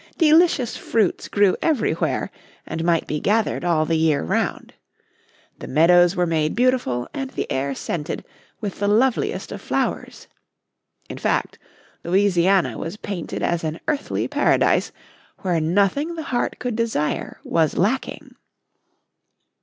Delicious fruits grew everywhere, and might be gathered all the year round. The meadows were made beautiful, and the air scented, with the loveliest of flowers. In fact Louisiana was painted as an earthly paradise, where nothing the heart could desire was lacking.